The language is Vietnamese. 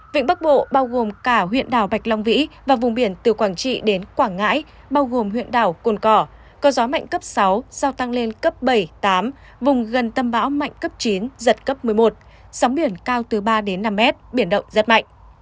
vịnh bắc bộ bao gồm cả huyện đảo bạch long vĩ và vùng biển từ quảng trị đến quảng ngãi bao gồm huyện đảo cồn cỏ có gió mạnh cấp sáu sau tăng lên cấp bảy tám vùng gần tâm bão mạnh cấp chín giật cấp một mươi một sóng biển cao từ ba đến năm mét biển động rất mạnh